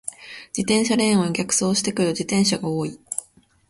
自転車レーンを逆走してくる自転車が多い。